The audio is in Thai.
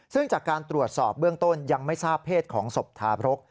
ซึ่งจากการตรวจสอบเบื้องต้นยังไม่ทราบเพศของศพทาบรก